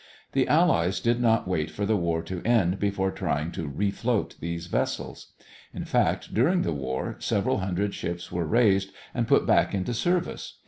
The Allies did not wait for the war to end before trying to refloat these vessels. In fact, during the war several hundred ships were raised and put back into service.